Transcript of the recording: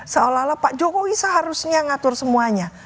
seolah olah pak jokowi seharusnya ngatur semuanya